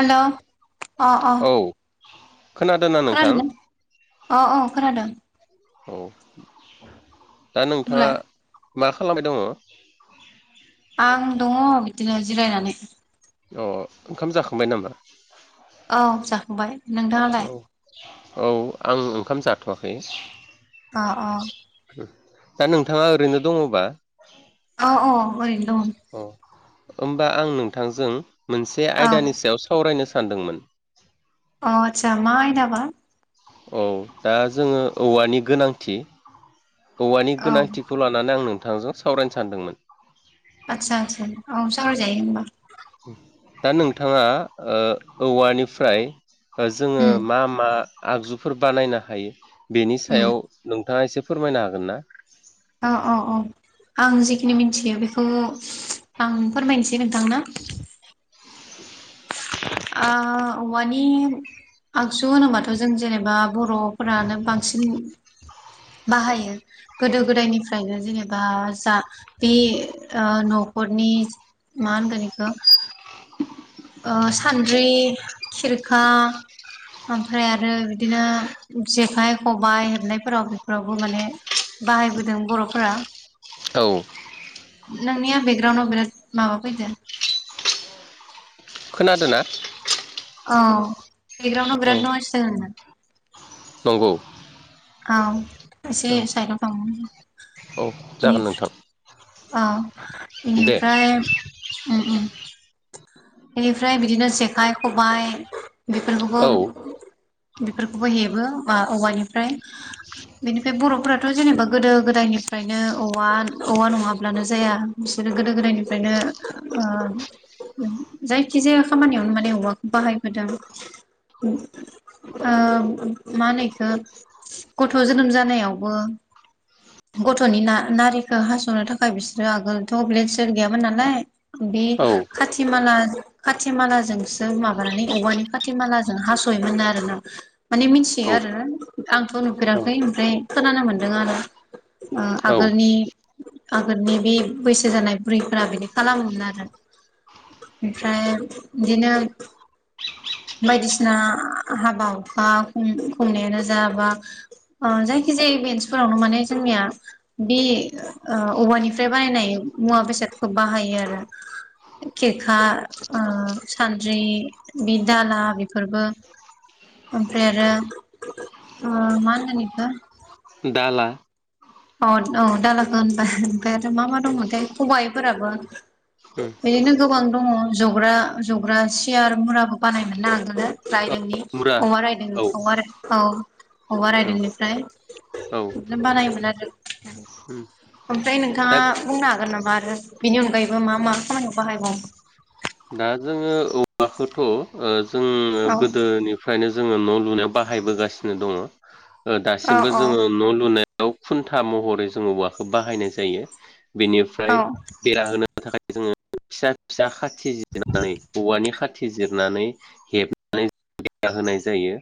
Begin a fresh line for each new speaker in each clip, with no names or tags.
Hello अ अ
औ
खोनादोंना अ अ खोनादों
औ दा नोंथाङा
बुंलाय
मा खालामबाय दङ?
आं दङ बिदिनो जिरायनानै
अ ओंखाम जाखांबाय नामा?
अ जाखांबाय नोंथाङालाय
औ औ आं ओंखाम जाथ'वाखै
अ अ
दा नोंथाङा ओरैनो दङबा
अ अ ओरैनो दं
अ होमबा आं नोंथांजों मोनसे
औ
आयदानि सायाव सावरायनो सानदोंमोन
अ आतसा मा आयदाबा
औ दा जोङो औवानि गोनांथि औवानि
औ
गोनांथिखौ लानानै आं नोंथांजों सावरायनो सानदोंमोन ।
आतसा आतसा औ सावराय जायो होमबा
दा नोंथांङा ओ औवानिफ्राय जोङो
उम
मा मा आगजुफोर बानायनो हायो बेनि
उम
सायाव नोंथांङा एसे फोरमायनो हागोन ना?
अ अ अ आं जेखिनि मिथियो बेखौ आं फोरमायनोसै नोंथांनो ओ औवानि आगजु होनोबाथ' जों जेनेबा बर'फोरानो बांसिन बाहायो गोदो गोदायनिफ्रायनो जेनेबा जा बे ओ न'खर नि मा होनगोन इखो ओ सान्द्रि खिरखा ओमफ्राय आरो बिदिनो जेखाइ खबाइ हेबनायफोराव बेफोरावबो माने बाहायबोदों बर'फोरा
औ
नोंनिया बेकग्राउडनाव बिराद माबा फैदो ।
खोनादोंना?
औ बेकग्राउडनाव बिराद नयस जादों दां
नंगौ
औ एसे
औ
साइडआव थां
औ जागोन नोंथां
बेनिफ्रा औ
दे
इनिफ्राय उम उम बेनिफ्राय बिदिनो जेखाइ खबाइ बेफोरखौबो
औ
बेफोरखौबो हेबो मा औवानि ओमफ्राय बेनिफ्राय बर'फोराथ' जेनेबा गोदो गोदायनिफ्रायनो औवा औवा नङाब्लानो जाया बिसोरो गोदो गोदायनिफ्रायनो [unintelligible] जायखिजाया खामानियावनो माने उवाखौ बाहायबोदों उम ओ मा होनो इखो गथ' जोनोम जानायावबो गथ'नि ना नारिखौ हास'नो थाखाय बिसोरो आगोलथ' ब्लेद स्लेद गैयामोन नालाय बे
औ
खाथि माला खाथि मालाजोंसो माबानानै औवानि खाथि मालाजों हास'योमोन आरो ना। माने मिथियो
औ
आरो आंथ' नुफेराखै ओमफ्राय खोनानो मोनदों आरो। ओ
औ
आगोलनि आगोलनि बे बैसो जानाय बुरैफोरा बिदि खालामोमोन आरो। ओमफ्राय बिदिनो बायदिसिना हाबा हुखा खुं खुंनायानो जा बा ओ जायखि जे इभेन्स फोरावनो माने जोंनिया बे औवानिफ्राय बानायनाय मुवा बेसाद फोरखौ बाहायो आरो खेरखा ओ सान्द्रि बि दाला बेफोरबो ओमफ्राय आरो ओ मा होनगोन इखो?
दाला।
अ औ दालाखौ होनबाय ओमफ्राय आरो मा मा दंमोनथाय? खबाइफोराबो।
उम
बिदिनो गोबां दंङ जग्रा जग्रा सियार मुराबो बानायोमोनना आगोलो ।
औ
रायदोंनि
मुरा
औवा
औ
रायदों औवा औ औवा
औ
रायदोंनिफ्राय
औ
बिदिनो बानायोमोन ।
उम
ओमफ्राय
दा
नोंथांङा बुंनो हागोन नामा बिनि अनगायैबो मा मा खामानियाव बाहायबावो?
दा जोंङो औवाखौथ' जों
औ
गोदोनिफ्रायनो जोंङो न' लुनायाव बाहायबोगासिनो दङ ओ
औ
दासिमबो जोंङो न' लुनाय बेयाव खुन्था महरै जोङो औवाखौ बाहायनाय जायो।
औ
बेनिफ्राय बेरा होनो थाखाय जोंङो फिसा फिसा खाथिनानै औवानि खा थिजिरनानै हेबनानै बेरा होनाय जायो।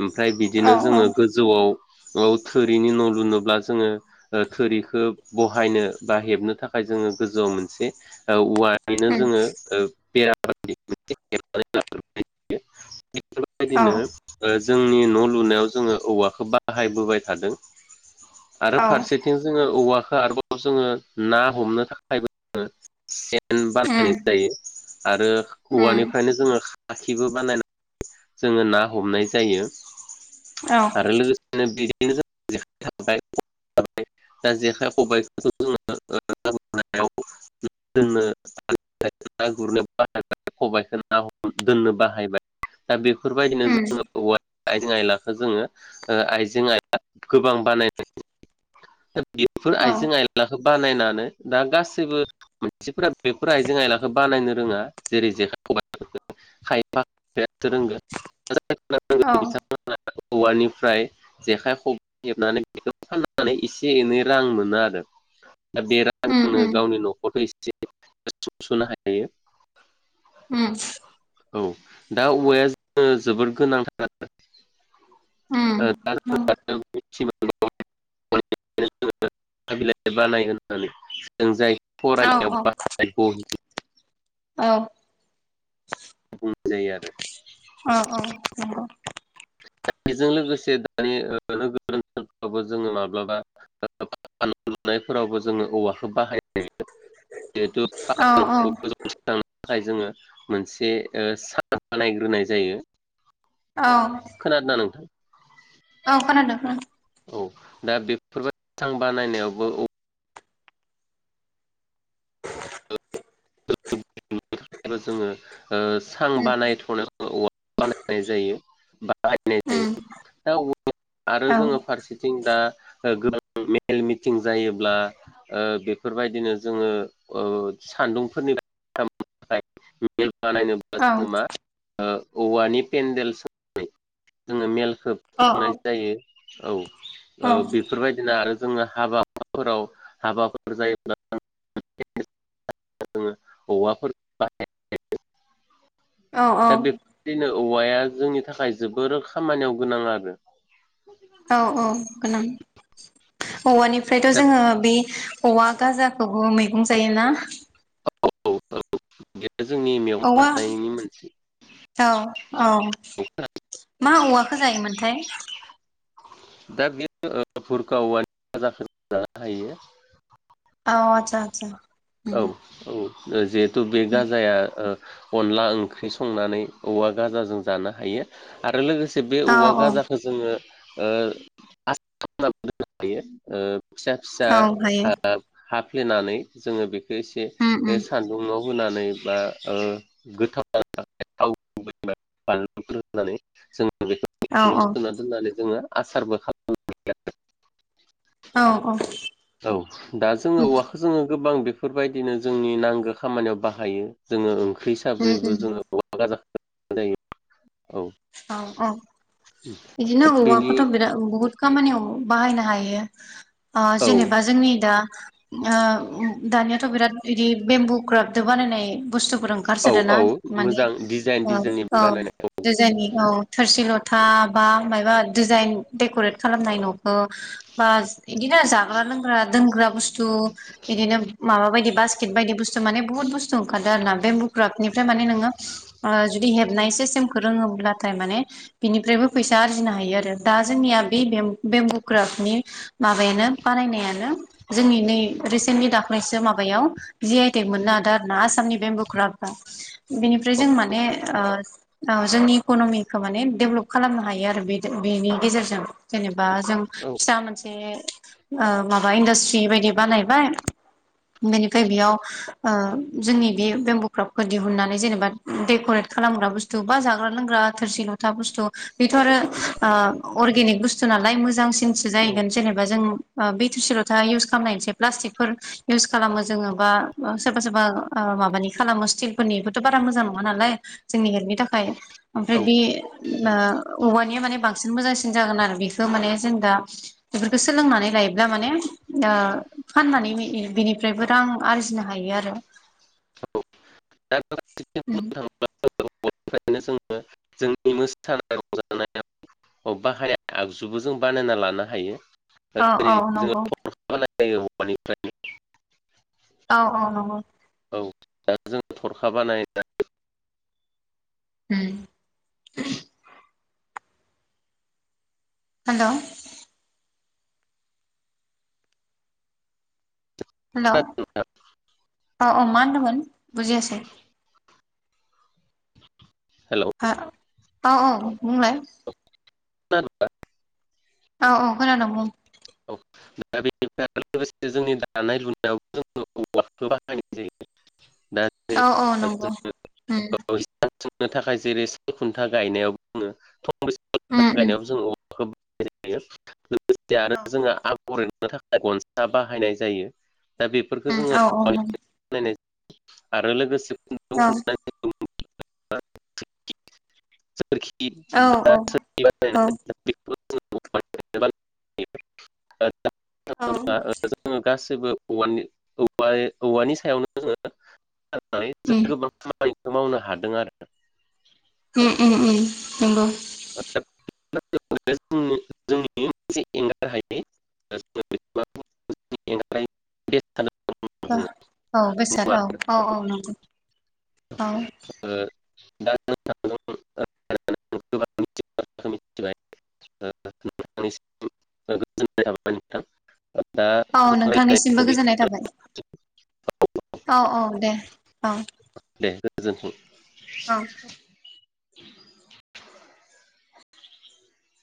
ओमफ्राय
औ
बिदिनो जोङो गोजौआव औ थोरिनि न' लुनोब्ला जोङो ओ थोरिखौ बहायनो बा हेबनो थाखाय जोङो गोजौआव मोनसे औ औवायैनो जोङो ओ बेरा [unintelligible] फोरबायदिनो ओ जोंनि न' लुनायाव जोङो औवाखौ बाहायबोबाय थादों। आरो
औ
फारसेथिं जोङो औवा आरोबाव जोङो ना हमनो थाखायबोेन सेन बानायनो आरो औवानिफ्रायनो जोङो खाखिबो बानायनानै जोङो ना हमनाय जायो।
औ
आरो लोगोसेनो बेनो [unintelligible] दा जेखाइ खबाइफोरखौ जोङो [unintelligible] जोंनो ना गुरनो बाहायबाय खबाइखौ ना दोननो बाहायबाय दा बे फोरबायदिनो
उम
जोङो
उम
औवा आइजें आइलाखौ जोङो आइजें आइला गोबां बानायनाय बेफोर
औ उम औ
आइजें आयलाखौ बानायनानै दा गासैबो मानसिफोरा बेफोर आइजें आयलाखो बानायनो रोङा जेरै जेखाय खबायखौ खायफा खायफासो रोंगोन।
औ
[unintelligible] औवानिफ्राय जेखाइ खबाय हेबनानै बेखौ फाननानै एसे एनै रां मोनो आरो।
[inaudible]
दा बे
उम
रांजोंनो
उम
गावनि न'खरखौ' एसे सुंस'नो हायो।
उम
औ दा औवाया जोङो जोबोद गोनांथार।
उम उम
[unintelligible] बानाय होननानै जों जाय
औ
फरानियाव बहायगौ
औ।
जायो आरो।
अ अ नंगौ।
बेजों लोगोसे दानि ओ नोगोर बो जोङो माब्लाबा फान लुनायफोरावबो जोङो औवा खौ बाहायायो जिहेतु
औ
सखांनो थाखाय जोङो मोनसे ओ सान नायग्रोनाय जायो।
औ
खोनादों ना नोंथां?
औ खोनादों खोनादों।
औ दा बेफोरबायसां बानायनायावबो औ [unintelligible] थाखाय जोङो ओ सां
उम
बानायथ'नायाव औवाल बानायनाय जायो बायनाय जायो। दा आरो
उम
जोङो फारसेथिं दा ओ मेल मिटिं जायोब्ला ओ बेफोरबायदिनो जोङो ओ सान्दुं मेल [unintelligible] थाखाय बानायनोब्ला
औ
जोङो मा ओ औवानि पेन्देल सो जोङो मेलखौ
औ
खुंनाय जायो। औ ओ बेफोरबायदिनो आरो जोङो हाबाफोराव हाबाफोर जायोब्ला [unintelligible] जोङो औवाफोर बाहायो।
औ औ।
औवाया जोंनि थाखाय जोबोर खामानियाव गोनां आरो।
औ औ गोनां औवानिफ्रायथ'
दा
जोङो बे औवा गाजाखौबो मैगं जायोना?
औ औ। [unintelligible]
औवा
लानायनि मोनसे
औ औ मा औवाखौ जायोमोनथाय ।
दा बे ओ भुरखाऔवानि गाजाखो जानो हायो।
औ आतसा आतसा।
औ औ ओ जिहेथु बे गाजाया ओ अनला ओंख्रि संनानै औवा गाजाजों जानो हायो आरो लोगोसे बे
औ
औवा
औ
गाजाखौ जोङो ओ आसा खालामनानै दोननो हायो ओ फिसा फिसा
औ हायो
हा हाफ्लेनानै जोङो बेखौ एसे
उम उम
सान्दुंङाव नानै बा ओ गोथाव जाव [unintelligible] [unintelligible] बानलु होग्रोनानै जों
औ
बेखौल
औ
सोना दोननानै जोङो आसारबो खालामनो हायो।
औ
औ दा जोङो औवाखौ जोङो गोबां बेफोरबायदिनो जोंनि नांगौ खामानियाव बाहायो जोङो ओं खै
उम
हिसाबैबो
उम
जोङो औवा गाजाखौ जायो। औ
औ औ बिदिनो
बेनि
औवाखौथ' बिराद बहुत खामानियाव बाहायनो हायो अ
औ
जेनेबा जोंनि दा ओ दानि बिराद इदि बेम्बु क्राफ्टदो बानायनाय बुस्थुफोर
औ
ओंखारसोदोना
औ
माने
मोजां डिजाइन
ओ
डिजाइननि
औ।
बानायनाय
जायनि औ थोरसि लथा बा माइबा दिजाइन देकरेत खालामनाय न'खौ बा इदिनो जाग्रा लोंग्रा दोनग्रा बुसतु बिदिनो माबा बायदि बासकेथ बायदि बुहुत बुसतु ओंखारदों आरोना बेम्बुक्राप निफ्राय माने नोङो ओ जुदि हेबनाय सिसतेम फोर रोङोब्लाथाय माने बिनिफ्रायबो फैसा आरजिनो हायो आरो दा जोंनिया बे बेमबु बेमबुक्राप नि माबायानो बानायनायनो जोंनि नै रिसेन्तलि दा फ्रायसो माबायाव जि आइ टेग मोननो हादों आरो ना आसामनि बेमबुक्रपता बेनिफ्राय जों माने ओ औ जोंनि इक'न'मिखौ माने डेभलप खालामनो हायो आरो बे बेनि गेजेरजों जेनेबा बा जों
औ
फिसा मोनसे माबा इनदासट्रि बायदि बानायबाय बेनिफ्राय बेयाव ओ जोंनि बे बेम्बुक्रापखौ दिहुननानै जेनेबा देकरेत खालामग्रा बुस्थु बा जाग्रा लोंग्रा थोरसि लथा बुस्थु बेथ' आरो अ अेनिक बुस्थु नालाय मोजांसिन सो जाहगोन
औ
जेनेबा जों बि थोरसिल'था इउस खालामनायसै प्लास्टिकफोर इउस खालामो जोङो बा सोरबा सोरबा ओ माबानि खालामो स्तिलफोरनिआबोथ' बारा मोजां नङा नालाय जोंनि हेल्थनि थाखाय थाखाय ओमफ्राय बे ओ औवानिया माने बांसिन मोजांसिन जागोन आरो बेखौ माने जों दा बेफोरखौ सोलोंनानै लायोब्ला माने ओ फाननानै बिनिफ्रायबो रां आरजिनो हायो आरो।
औ
उ
निफ्रायनो जोङो जोंनि मोसानाय रंजानाया अब बाहाया आगजुबो जों बानायना लानो हायो।
औ औ नंगौ।
जायो औवानिफ्राय
औ औ नंगौ।
जों थरखा बानाय
हु हेल' हेल' अ अ मा होनदोंमोन बुजियासै?
हेलौ
औ औ बुंलाय?
बा [unintelligible]
औ औ खोनादों बुं?
औ दा बेनिफ्राय आरो लोगोसे जोंनि दानाय लुनायाव जों [unintelligible] औव बाहायनाय जायो दा
औ औ नंगौ उम
[unintelligible] सोंनो थाखाय जेरै साल खुन्था गायनायावबो जोङों थंबैसे
उम उम
गायनायाव जोङ [unintelligible] लोगोसे आरो जोंहा [unintelligible] हरेनो थाखाय गनसा बाहायनाय जायो दा बेफोरखौ
उम
जोङो
औ
आरो लोगोसे सोरखि
औ
सोरि [unintelligible]
औ
जो ग
औ
[unintelligible] जेबो औवानि सायावनो जोङो
उम
गोबां खामानि मावनो हादों आरो।
उ उ
औ आ [unintelligible] से एंगार हायोार [unintelligible]
औ बेसाद औ औ औ नंगौ औ।
दा जों [unintelligible] ानि [unintelligible]
औ नोंथांनिसिमबो गोजोननाय थाबाय औ औ दे। औ।
दे गोजोनथों।
औ।